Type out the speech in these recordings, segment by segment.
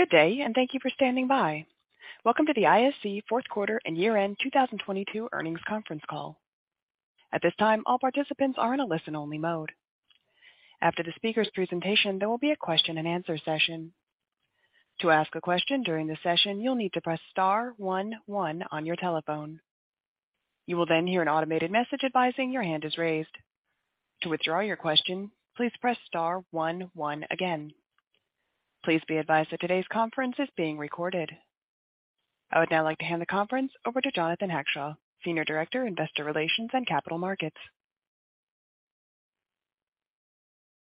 Good day, and thank you for standing by. Welcome to the ISC fourth quarter and year-end 2022 earnings conference call. At this time, all participants are in a listen-only mode. After the speaker's presentation, there will be a question-and-answer session. To ask a question during the session, you'll need to press star one one on your telephone. You will then hear an automated message advising your hand is raised. To withdraw your question, please press star one one again. Please be advised that today's conference is being recorded. I would now like to hand the conference over to Jonathan Hackshaw, Senior Director, Investor Relations and Capital Markets.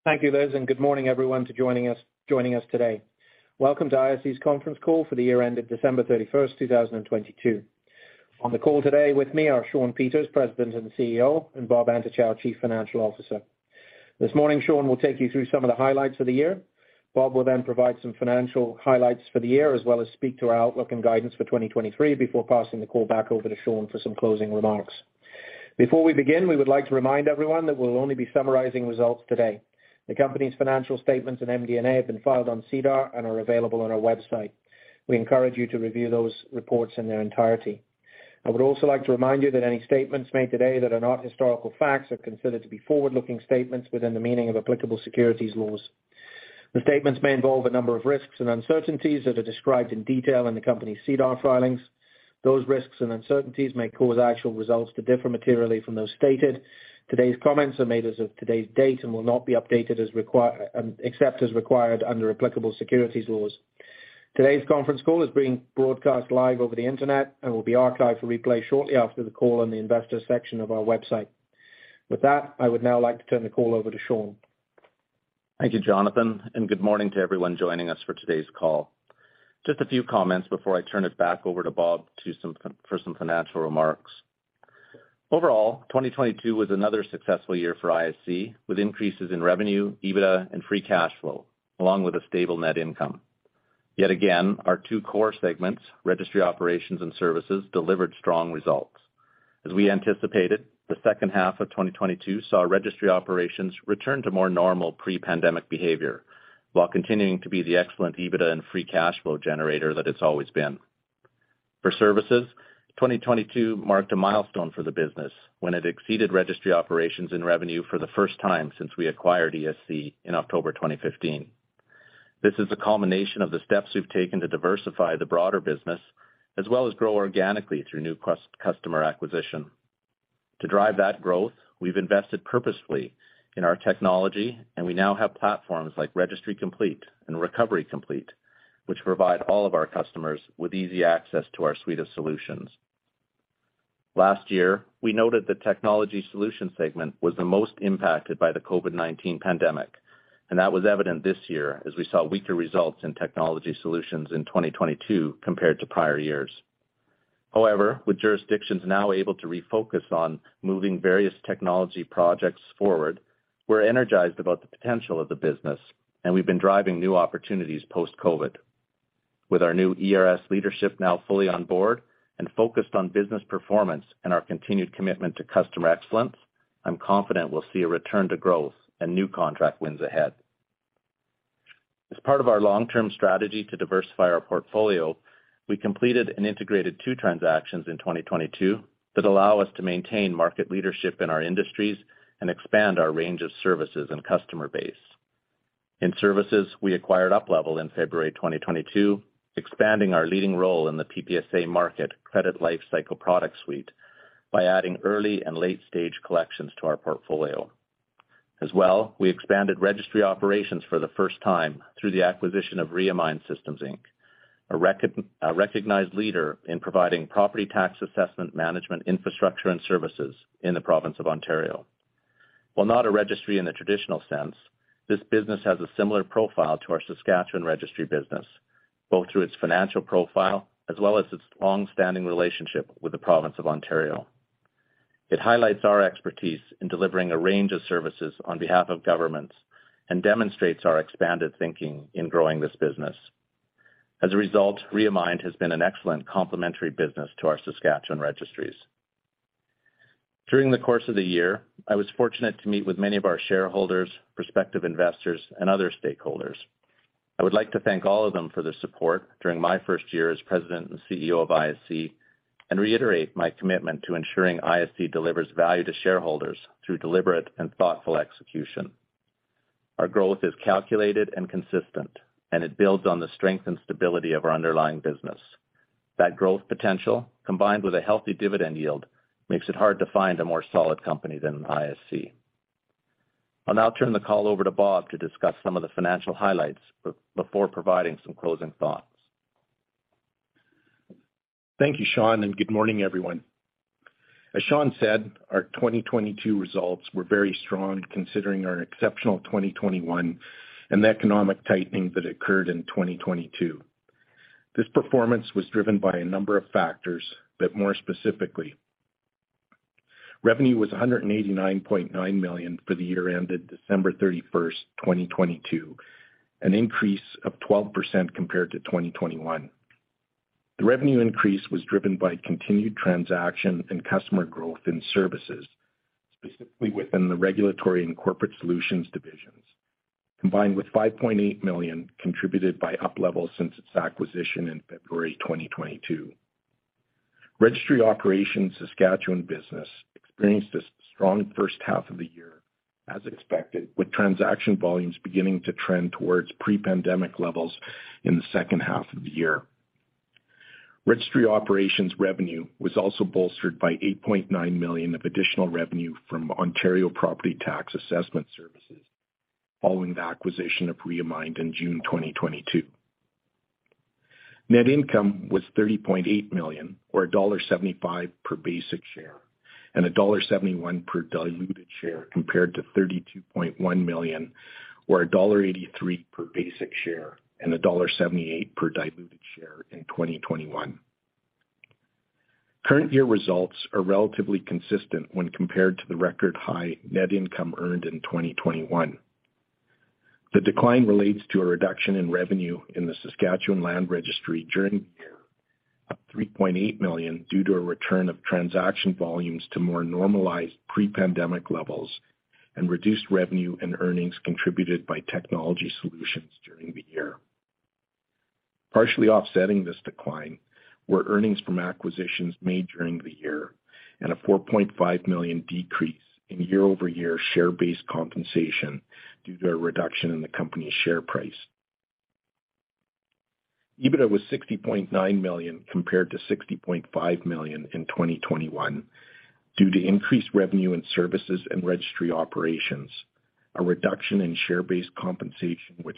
Thank you, Liz, good morning everyone to joining us today. Welcome to ISC's conference call for the year end of December 31st, 2022. On the call today with me are Shawn Peters, President and CEO, and Bob Antochow, Chief Financial Officer. This morning, Shawn will take you through some of the highlights of the year. Bob will then provide some financial highlights for the year, as well as speak to our outlook and guidance for 2023 before passing the call back over to Shawn for some closing remarks. Before we begin, we would like to remind everyone that we'll only be summarizing results today. The company's financial statements and MD&A have been filed on SEDAR and are available on our website. We encourage you to review those reports in their entirety. I would also like to remind you that any statements made today that are not historical facts are considered to be forward-looking statements within the meaning of applicable securities laws. The statements may involve a number of risks and uncertainties that are described in detail in the company's SEDAR filings. Those risks and uncertainties may cause actual results to differ materially from those stated. Today's comments are made as of today's date and will not be updated except as required under applicable securities laws. Today's conference call is being broadcast live over the Internet and will be archived for replay shortly after the call on the Investors section of our website. With that, I would now like to turn the call over to Shawn. Thank you, Jonathan, and good morning to everyone joining us for today's call. Just a few comments before I turn it back over to Bob for some financial remarks. Overall, 2022 was another successful year for ISC, with increases in revenue, EBITDA, and free cash flow, along with a stable net income. Yet again, our two core segments, Registry Operations and Services, delivered strong results. As we anticipated, the second half of 2022 saw Registry Operations return to more normal pre-pandemic behavior while continuing to be the excellent EBITDA and free cash flow generator that it's always been. For Services, 2022 marked a milestone for the business when it exceeded Registry Operations in revenue for the first time since we acquired ESC in October 2015. This is a culmination of the steps we've taken to diversify the broader business, as well as grow organically through new customer acquisition. To drive that growth, we've invested purposefully in our technology, and we now have platforms like Registry Complete and Recovery Complete, which provide all of our customers with easy access to our suite of solutions. Last year, we noted the Technology Solutions segment was the most impacted by the COVID-19 pandemic, and that was evident this year as we saw weaker results in Technology Solutions in 2022 compared to prior years. However, with jurisdictions now able to refocus on moving various technology projects forward, we're energized about the potential of the business, and we've been driving new opportunities post-COVID. With our new ERS leadership now fully on board and focused on business performance and our continued commitment to customer excellence, I'm confident we'll see a return to growth and new contract wins ahead. As part of our long-term strategy to diversify our portfolio, we completed and integrated two transactions in 2022 that allow us to maintain market leadership in our industries and expand our range of services and customer base. In Services, we acquired UPLevel in February 2022, expanding our leading role in the PPSA market credit lifecycle product suite by adding early and late-stage collections to our portfolio. As well, we expanded Registry Operations for the first time through the acquisition of Reamined Systems Inc., a recognized leader in providing property tax assessment management infrastructure and services in the province of Ontario. While not a registry in the traditional sense, this business has a similar profile to our Saskatchewan registry business, both through its financial profile as well as its long-standing relationship with the province of Ontario. It highlights our expertise in delivering a range of services on behalf of governments and demonstrates our expanded thinking in growing this business. As a result, Reamined has been an excellent complementary business to our Saskatchewan registries. During the course of the year, I was fortunate to meet with many of our shareholders, prospective investors, and other stakeholders. I would like to thank all of them for their support during my first year as President and CEO of ISC and reiterate my commitment to ensuring ISC delivers value to shareholders through deliberate and thoughtful execution. Our growth is calculated and consistent, and it builds on the strength and stability of our underlying business. That growth potential, combined with a healthy dividend yield, makes it hard to find a more solid company than ISC. I'll now turn the call over to Bob to discuss some of the financial highlights before providing some closing thoughts. Thank you, Shawn, good morning, everyone. As Shawn said, our 2022 results were very strong considering our exceptional 2021 and the economic tightening that occurred in 2022. This performance was driven by a number of factors. More specifically, revenue was 189.9 million for the year ended December 31st, 2022, an increase of 12% compared to 2021. The revenue increase was driven by continued transaction and customer growth in Services, specifically within the Regulatory and Corporate Solutions divisions, combined with 5.8 million contributed by UPLevel since its acquisition in February 2022. Registry Operations Saskatchewan business experienced a strong first half of the year as expected, with transaction volumes beginning to trend towards pre-pandemic levels in the second half of the year. Registry Operations revenue was also bolstered by 8.9 million of additional revenue from Ontario Property Tax Assessment Services following the acquisition of Reamined in June 2022. Net income was 30.8 million or dollar 1.75 per basic share and dollar 1.71 per diluted share, compared to 32.1 million or dollar 1.83 per basic share and 1.78 dollar per diluted share in 2021. Current year results are relatively consistent when compared to the record high net income earned in 2021. The decline relates to a reduction in revenue in the Saskatchewan Land Registry during the year of 3.8 million due to a return of transaction volumes to more normalized pre-pandemic levels and reduced revenue and earnings contributed by Technology Solutions during the year. Partially offsetting this decline were earnings from acquisitions made during the year and a 4.5 million decrease in year-over-year share-based compensation due to a reduction in the company's share price. EBITDA was 60.9 million compared to 60.5 million in 2021 due to increased revenue in Services and Registry Operations, a reduction in share-based compensation which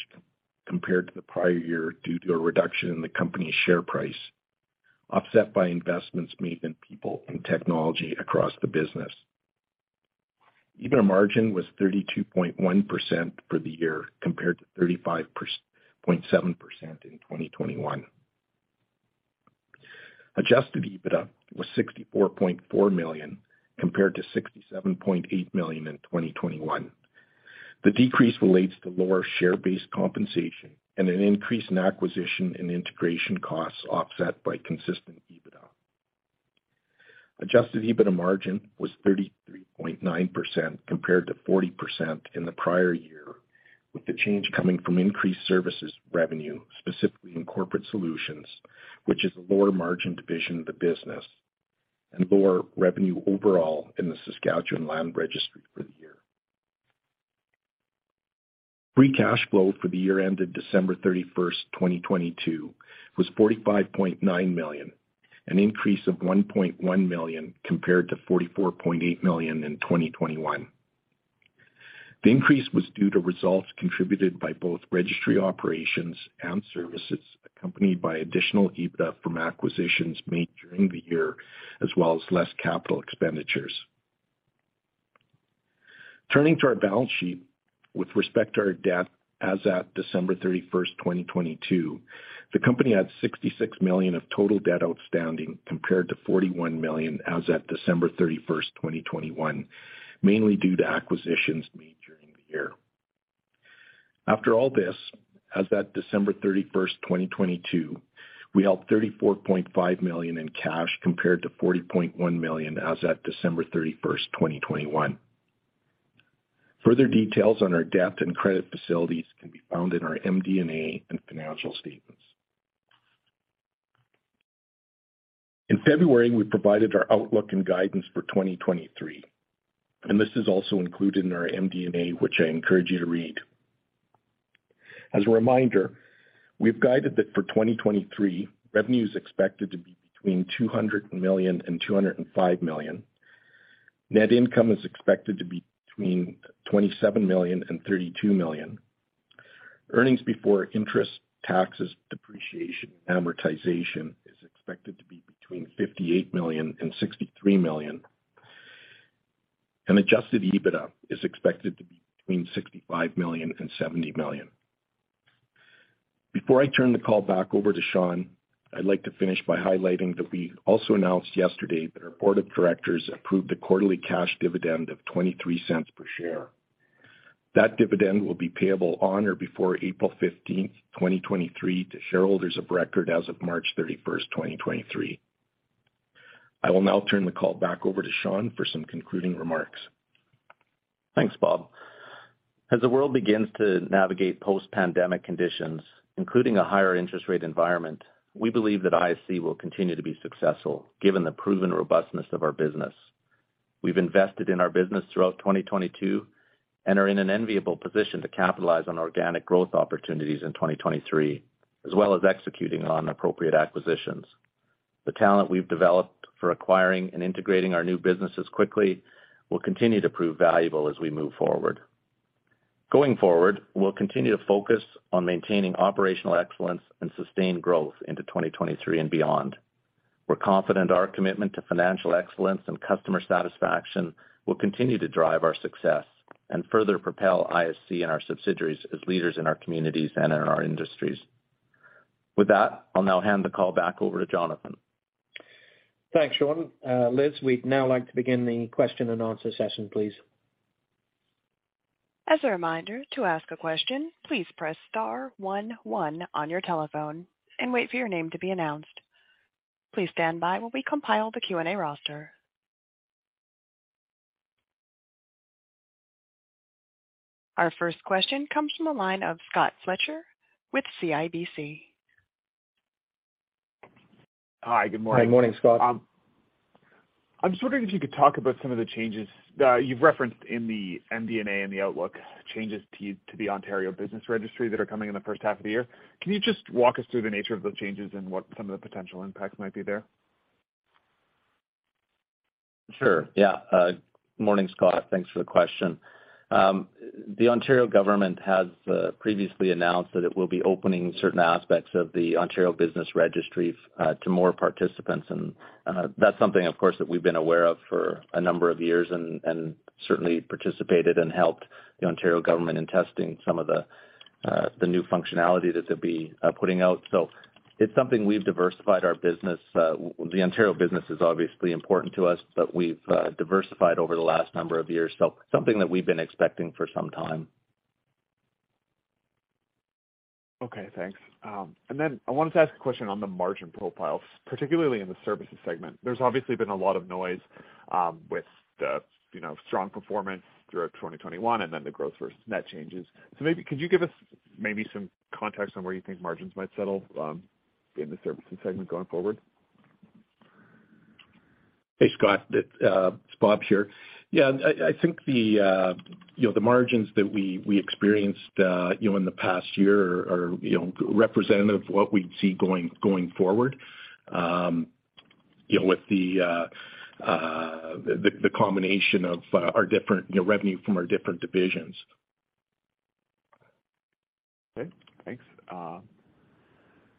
compared to the prior year due to a reduction in the company's share price, offset by investments made in people and technology across the business. EBITDA margin was 32.1% for the year compared to 35.7% in 2021. Adjusted EBITDA was 64.4 million compared to 67.8 million in 2021. The decrease relates to lower share-based compensation and an increase in acquisition and integration costs offset by consistent EBITDA. Adjusted EBITDA margin was 33.9% compared to 40% in the prior year, with the change coming from increased Services revenue, specifically in Corporate Solutions, which is a lower margin division of the business and lower revenue overall in the Saskatchewan Land Registry for the year. Free cash flow for the year ended December 31, 2022 was 45.9 million, an increase of 1.1 million compared to 44.8 million in 2021. The increase was due to results contributed by both Registry Operations and Services, accompanied by additional EBITDA from acquisitions made during the year as well as less capital expenditures. Turning to our balance sheet with respect to our debt as at December 31, 2022, the company had 66 million of total debt outstanding compared to 41 million as at December 31, 2021, mainly due to acquisitions made during the year. After all this, as at December 31, 2022, we held CAD 34.5 million in cash compared to 40.1 million as at December 31, 2021. Further details on our debt and credit facilities can be found in our MD&A and financial statements. In February, we provided our outlook and guidance for 2023, this is also included in our MD&A, which I encourage you to read. As a reminder, we've guided that for 2023, revenue is expected to be between 200 million and 205 million. Net income is expected to be between 27 million and 32 million. Earnings before interest, taxes, depreciation, and amortization is expected to be between 58 million and 63 million. Adjusted EBITDA is expected to be between 65 million and 70 million. Before I turn the call back over to Shawn, I'd like to finish by highlighting that we also announced yesterday that our board of directors approved a quarterly cash dividend of 0.23 per share. That dividend will be payable on or before April 15th, 2023 to shareholders of record as of March 31st, 2023. I will now turn the call back over to Shawn for some concluding remarks. Thanks, Bob. As the world begins to navigate post-pandemic conditions, including a higher interest rate environment, we believe that ISC will continue to be successful given the proven robustness of our business. We've invested in our business throughout 2022 and are in an enviable position to capitalize on organic growth opportunities in 2023, as well as executing on appropriate acquisitions. The talent we've developed for acquiring and integrating our new businesses quickly will continue to prove valuable as we move forward. Going forward, we'll continue to focus on maintaining operational excellence and sustained growth into 2023 and beyond. We're confident our commitment to financial excellence and customer satisfaction will continue to drive our success and further propel ISC and our subsidiaries as leaders in our communities and in our industries. With that, I'll now hand the call back over to Jonathan. Thanks, Shawn. Liz, we'd now like to begin the question and answer session, please. As a reminder, to ask a question, please press star one one on your telephone and wait for your name to be announced. Please stand by while we compile the Q&A roster. Our first question comes from the line of Scott Fletcher with CIBC. Hi, good morning. Good morning, Scott. I'm just wondering if you could talk about some of the changes that you've referenced in the MD&A and the outlook changes to the Ontario Business Registry that are coming in the first half of the year. Can you just walk us through the nature of those changes and what some of the potential impacts might be there? Sure. Yeah. Morning, Scott. Thanks for the question. The Ontario government has previously announced that it will be opening certain aspects of the Ontario Business Registry to more participants. That's something of course, that we've been aware of for a number of years and certainly participated and helped the Ontario government in testing some of the new functionality that they'll be putting out. It's something we've diversified our business. The Ontario business is obviously important to us, but we've diversified over the last number of years. Something that we've been expecting for some time. Okay, thanks. Then I wanted to ask a question on the margin profile, particularly in the Services segment. There's obviously been a lot of noise, with the, you know, strong performance throughout 2021 and then the growth versus net changes. Maybe could you give us maybe some context on where you think margins might settle, in the Services segment going forward? Hey, Scott, it's Bob here. Yeah, I think the, you know, the margins that we experienced, you know, in the past year are, you know, representative of what we'd see going forward. You know, with the combination of our different, you know, revenue from our different divisions. Okay, thanks.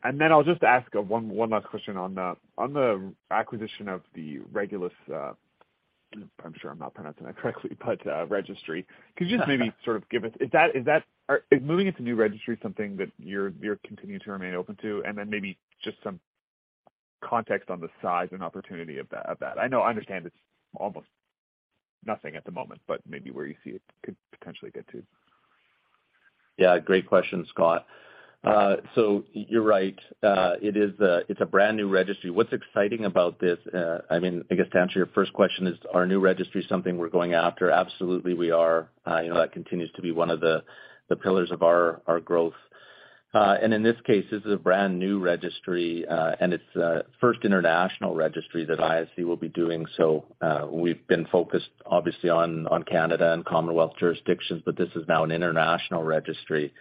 I'll just ask one last question on the acquisition of the Regulis, I'm sure I'm not pronouncing that correctly, but registry. Could you just maybe sort of give us, is moving into new registry something that you're continuing to remain open to? Maybe just some context on the size and opportunity of that. I know, I understand it's almost nothing at the moment, but maybe where you see it could potentially get to? Yeah, great question, Scott. You're right. It's a brand new registry. What's exciting about this, I mean, I guess to answer your first question, is are new registry something we're going after? Absolutely, we are. You know, that continues to be one of the pillars of our growth. In this case, this is a brand new registry, and it's a first international registry that ISC will be doing. We've been focused obviously on Canada and Commonwealth jurisdictions, but this is now an international registry.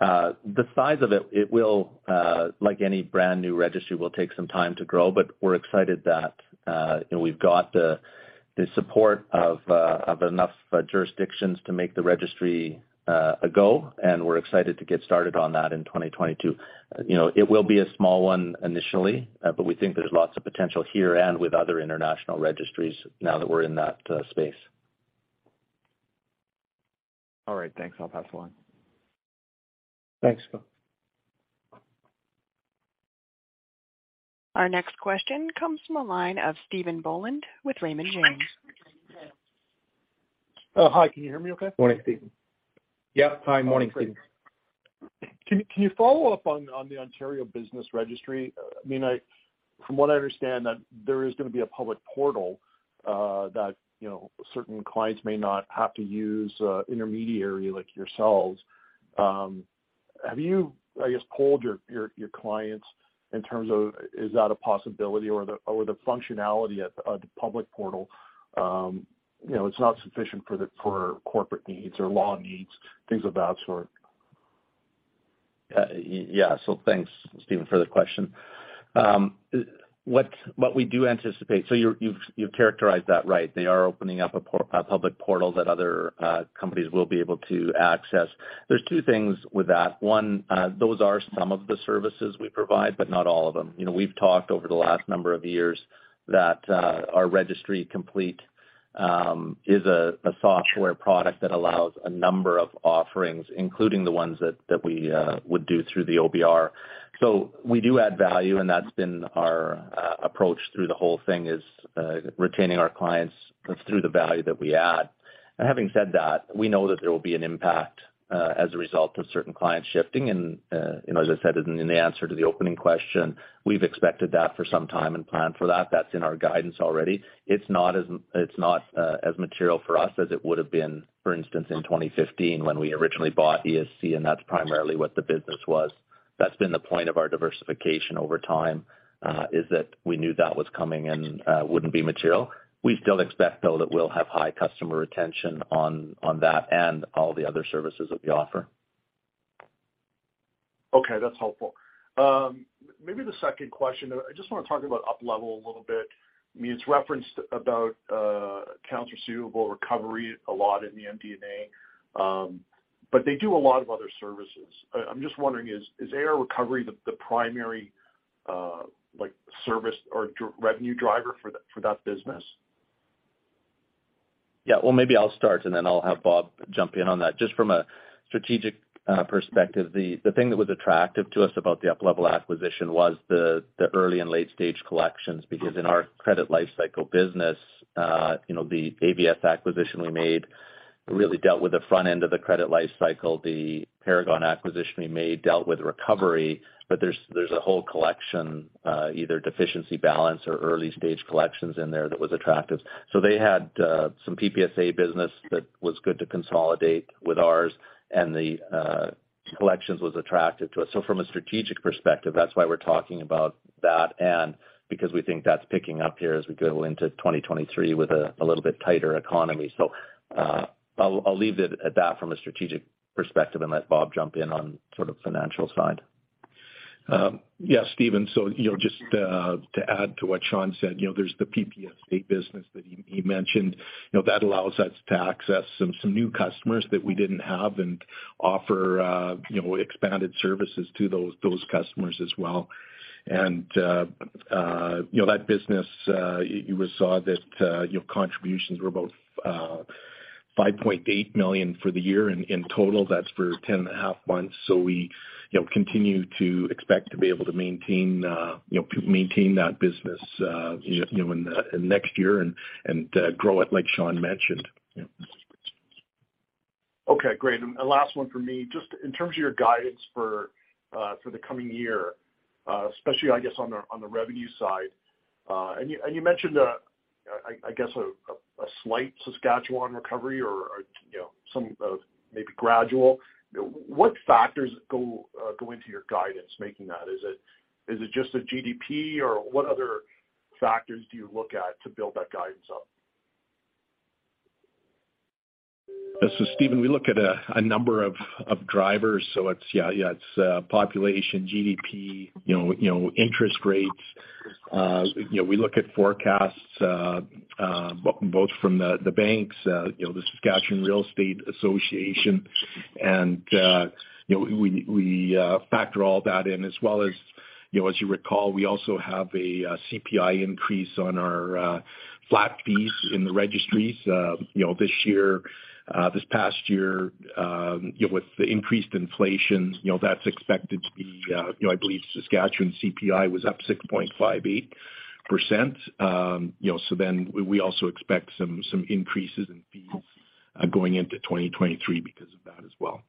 The size of it will, like any brand new registry, will take some time to grow, but we're excited that, you know, we've got the support of enough jurisdictions to make the registry ago, and we're excited to get started on that in 2022. You know, it will be a small one initially, but we think there's lots of potential here and with other international registries now that we're in that space. All right, thanks. I'll pass along. Thanks, Scott. Our next question comes from a line of Stephen Boland with Raymond James. Hi, can you hear me okay? Morning, Stephen. Yeah. Hi. Morning, Stephen. Can you follow up on the Ontario Business Registry? I mean, from what I understand that there is gonna be a public portal that, you know, certain clients may not have to use a intermediary like yourselves. Have you, I guess, polled your clients in terms of is that a possibility or the functionality at the public portal, you know, it's not sufficient for corporate needs or law needs, things of that sort? Yeah. Thanks, Stephen, for the question. What we do anticipate... You've characterized that right. They are opening up a public portal that other companies will be able to access. There's two things with that. One, those are some of the services we provide, but not all of them. You know, we've talked over the last number of years that our Registry Complete is a software product that allows a number of offerings, including the ones that we would do through the OBR. We do add value, and that's been our approach through the whole thing, is retaining our clients through the value that we add. Having said that, we know that there will be an impact as a result of certain clients shifting. You know, as I said in the answer to the opening question, we've expected that for some time and planned for that. That's in our guidance already. It's not as material for us as it would have been, for instance, in 2015 when we originally bought ESC, and that's primarily what the business was. That's been the point of our diversification over time is that we knew that was coming and wouldn't be material. We still expect though that we'll have high customer retention on that and all the other services that we offer. Okay, that's helpful. Maybe the second question, I just wanna talk about UPLevel a little bit. I mean, it's referenced about, accounts receivable recovery a lot in the MD&A, but they do a lot of other services. I'm just wondering is AR recovery the primary, like, service or revenue driver for that business? Yeah. Well, maybe I'll start and then I'll have Bob jump in on that. Just from a strategic perspective, the thing that was attractive to us about the UPLevel acquisition was the early and late stage collections. In our credit lifecycle business, you know, the AVS acquisition we made really dealt with the front end of the credit life cycle, the Paragon acquisition we made dealt with recovery, but there's a whole collection, either deficiency balance or early-stage collections in there that was attractive. They had some PPSA business that was good to consolidate with ours and the collections was attractive to us. From a strategic perspective, that's why we're talking about that and because we think that's picking up here as we go into 2023 with a little bit tighter economy. I'll leave it at that from a strategic perspective and let Bob jump in on sort of financial side. Yeah, Stephen. You know, just to add to what Shawn said, you know, there's the PPSA business that he mentioned. You know, that allows us to access some new customers that we didn't have and offer, you know, expanded services to those customers as well. You know, that business, you saw that, you know, contributions were about 5.8 million for the year in total. That's for 10 and a half months. We, you know, continue to expect to be able to maintain that business, you know, in the next year and grow it, like Shawn mentioned. Yeah. Okay, great. Last one for me. Just in terms of your guidance for the coming year, especially I guess on the revenue side. You mentioned, I guess a slight Saskatchewan recovery or, you know, some, maybe gradual. What factors go into your guidance making that? Is it just the GDP or what other factors do you look at to build that guidance up? This is Stephen. We look at a number of drivers. It's population, GDP, you know, you know, interest rates. You know, we look at forecasts, both from the banks, you know, the Saskatchewan REALTORS Association. You know, we factor all that in as well as, you know, as you recall, we also have a CPI increase on our flat fees in the registries. You know, this year, this past year, you know, with the increased inflation, you know, that's expected to be, you know, I believe Saskatchewan CPI was up 6.58%. You know, we also expect some increases in fees going into 2023 because of that as well.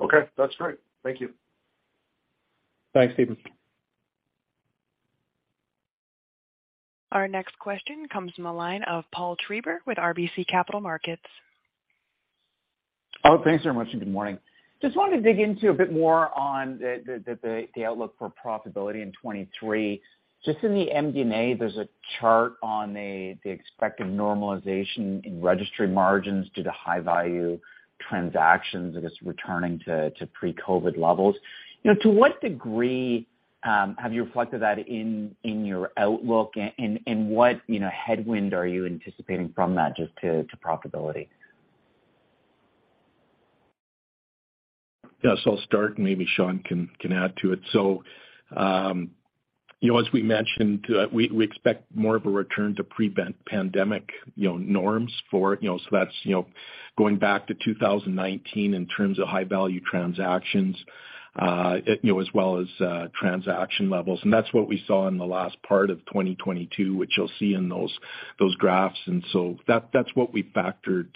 Okay. That's great. Thank you. Thanks, Stephen. Our next question comes from the line of Paul Treiber with RBC Capital Markets. Thanks very much, and good morning. Just wanted to dig into a bit more on the outlook for profitability in 23. Just in the MD&A, there's a chart on the expected normalization in registry margins due to high value transactions, I guess, returning to pre-COVID levels. You know, to what degree have you reflected that in your outlook? What, you know, headwind are you anticipating from that just to profitability? Yeah. I'll start and maybe Shawn can add to it. You know, as we mentioned, we expect more of a return to pre-pandemic, you know, norms for, you know. That's, you know, going back to 2019 in terms of high value transactions, you know, as well as transaction levels. That's what we saw in the last part of 2022, which you'll see in those graphs. That's what we factored,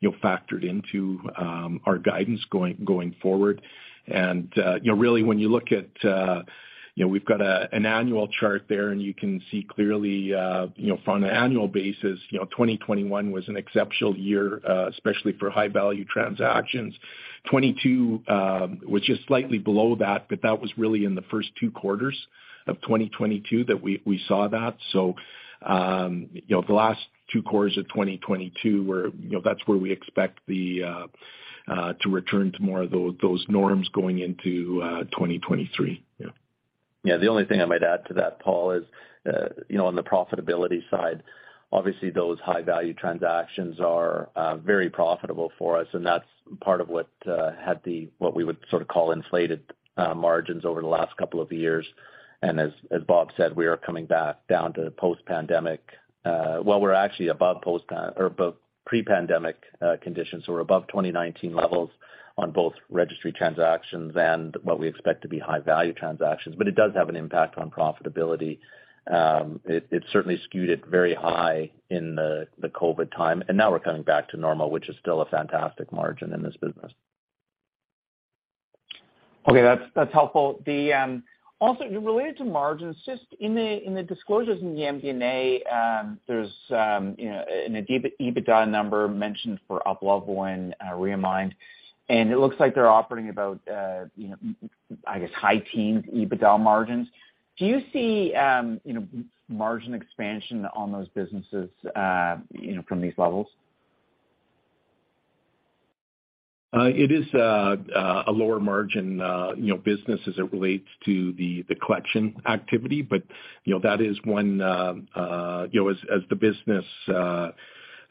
you know, factored into our guidance going forward. You know, really when you look at, you know, we've got an annual chart there, and you can see clearly, you know, from an annual basis, 2021 was an exceptional year, especially for high value transactions. 2022 was just slightly below that, but that was really in the first two quarters of 2022 that we saw that. You know, the last two quarters of 2022 were, you know, that's where we expect to return to more of those norms going into 2023. Yeah. Yeah. The only thing I might add to that, Paul, is, you know, on the profitability side, obviously those high value transactions are very profitable for us, and that's part of what had the, what we would sort of call inflated margins over the last couple of years. As Bob said, we are coming back down to post-pandemic. Well, we're actually above post or above pre-pandemic conditions, so we're above 2019 levels on both registry transactions and what we expect to be high value transactions. It does have an impact on profitability. It, it certainly skewed it very high in the COVID time, and now we're coming back to normal, which is still a fantastic margin in this business. Okay. That's helpful. Also related to margins, just in the disclosures in the MD&A, there's, you know, an EBITDA number mentioned for UPLevel and Reamined, and it looks like they're offering about, you know, I guess high teens EBITDA margins. Do you see, you know, margin expansion on those businesses, you know, from these levels? It is, a lower margin, you know, business as it relates to the collection activity. But, you know, that is one, you know, as the business,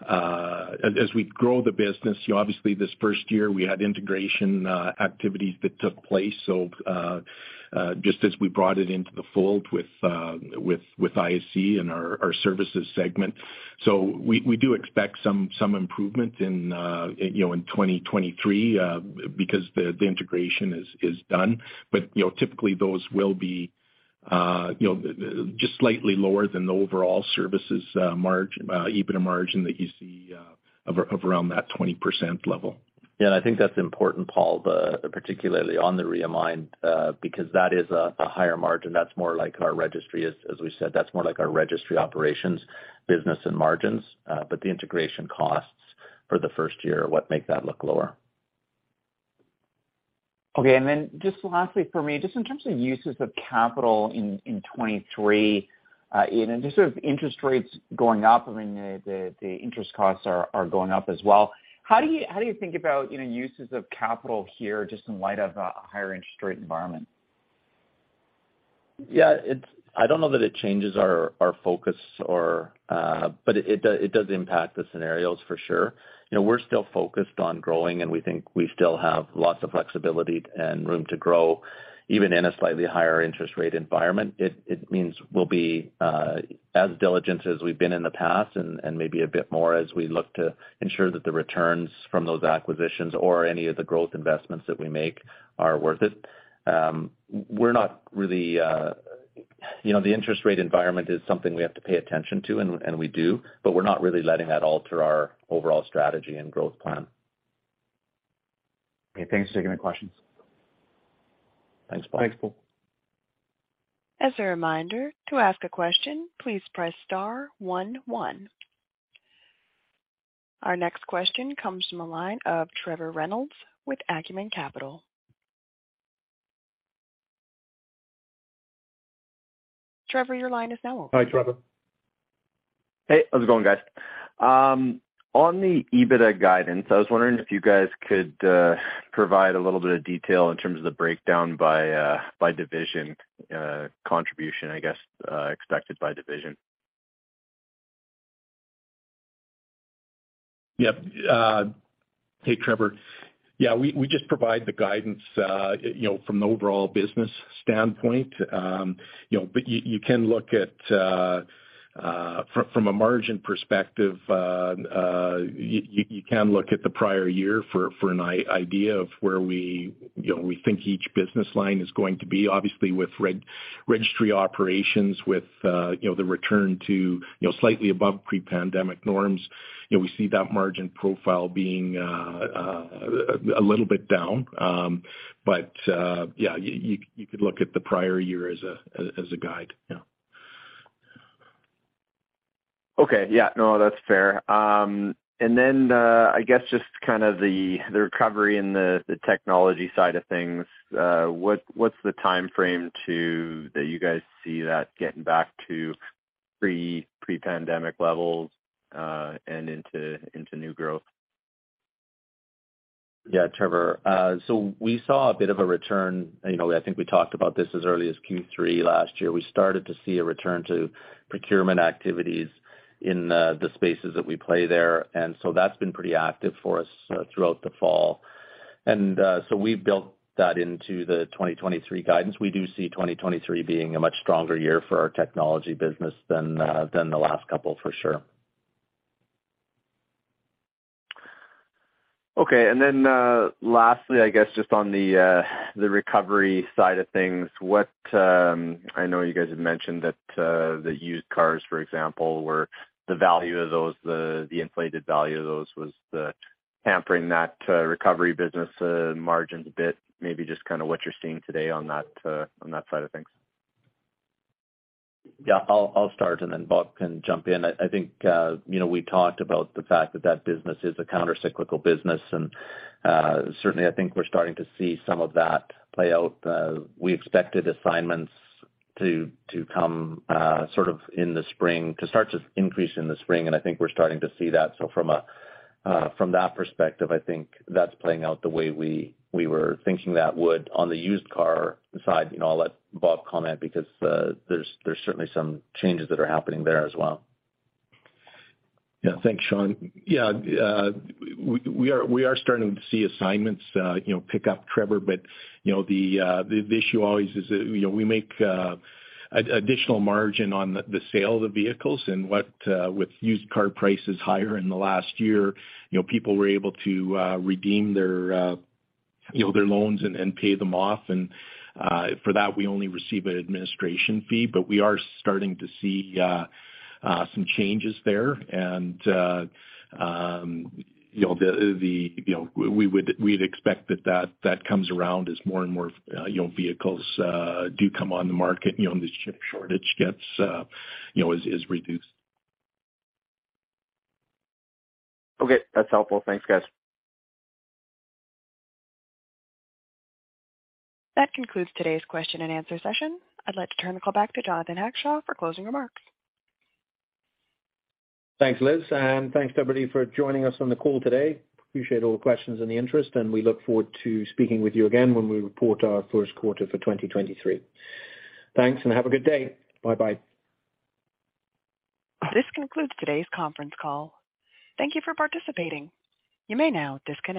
as we grow the business, you know, obviously this first year we had integration activities that took place. Just as we brought it into the fold with ISC and our Services segment. We do expect some improvement in, you know, in 2023, because the integration is done. But, you know, typically those will be, you know, just slightly lower than the overall Services margin, EBITDA margin that you see, of around that 20% level. Yeah, I think that's important, Paul, particularly on the Reamined, because that is a higher margin. That's more like our Registry Operations business and margins. The integration costs for the first year are what make that look lower. Okay. Just lastly for me, just in terms of uses of capital in 2023, Ian, and just sort of interest rates going up, I mean, the interest costs are going up as well. How do you, how do you think about, you know, uses of capital here just in light of a higher interest rate environment? Yeah, I don't know that it changes our focus or, but it does impact the scenarios for sure. You know, we're still focused on growing, and we think we still have lots of flexibility and room to grow, even in a slightly higher interest rate environment. It means we'll be as diligent as we've been in the past and maybe a bit more as we look to ensure that the returns from those acquisitions or any of the growth investments that we make are worth it. We're not really, you know, the interest rate environment is something we have to pay attention to, and we do, but we're not really letting that alter our overall strategy and growth plan. Okay, thanks. Taking my questions. Thanks, Paul. Thanks, Paul. As a reminder, to ask a question, please press star one one. Our next question comes from the line of Trevor Reynolds with Acumen Capital. Trevor, your line is now open. Hi, Trevor. Hey, how's it going, guys? On the EBITDA guidance, I was wondering if you guys could provide a little bit of detail in terms of the breakdown by by division, contribution, I guess, expected by division? Hey, Trevor. We just provide the guidance, you know, from the overall business standpoint. You know, you can look at from a margin perspective, you can look at the prior year for an idea of where we, you know, we think each business line is going to be. Obviously, with Registry Operations with, you know, the return to, you know, slightly above pre-pandemic norms, you know, we see that margin profile being a little bit down. You could look at the prior year as a guide. Okay. Yeah. No, that's fair. I guess just kind of the recovery in the technology side of things, what's the timeframe that you guys see that getting back to pre-pandemic levels, and into new growth? Yeah, Trevor. We saw a bit of a return. You know, I think we talked about this as early as Q3 last year. We started to see a return to procurement activities in the spaces that we play there, and so that's been pretty active for us throughout the fall. We've built that into the 2023 guidance. We do see 2023 being a much stronger year for our technology business than the last couple, for sure. Okay. Lastly, I guess, just on the recovery side of things, what, I know you guys have mentioned that the used cars, for example, were the value of those, the inflated value of those was hampering that recovery business, margins a bit, maybe just kind of what you're seeing today on that side of things? Yeah, I'll start, and then Bob can jump in. I think, you know, we talked about the fact that that business is a counter-cyclical business, and certainly I think we're starting to see some of that play out. We expected assignments to come, sort of in the spring to start to increase in the spring, and I think we're starting to see that. From a, from that perspective, I think that's playing out the way we were thinking that would. On the used car side, you know, I'll let Bob comment because there's certainly some changes that are happening there as well. Yeah. Thanks, Sean. Yeah, we are starting to see assignments, you know, pick up Trevor, but, you know, the issue always is that, you know, we make additional margin on the sale of the vehicles and what, with used car prices higher in the last year, you know, people were able to redeem their, you know, their loans and pay them off. For that, we only receive an administration fee, but we are starting to see some changes there. You know, the, you know, we'd expect that that comes around as more and more, you know, vehicles do come on the market, you know, and the shortage gets, you know, is reduced. Okay, that's helpful. Thanks, guys. That concludes today's question and answer session. I'd like to turn the call back to Jonathan Hackshaw for closing remarks. Thanks, Liz. Thanks, everybody, for joining us on the call today. Appreciate all the questions and the interest. We look forward to speaking with you again when we report our first quarter for 2023. Thanks. Have a good day. Bye-bye. This concludes today's conference call. Thank you for participating. You may now disconnect.